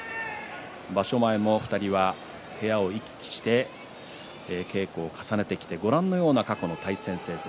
場所前も２人は部屋を行き来して稽古を重ねてきてご覧のような過去の対戦成績。